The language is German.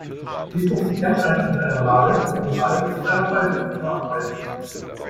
Dies lässt sich ganz einfach mit einer Waage, einem Ball und einer Ballpumpe nachweisen.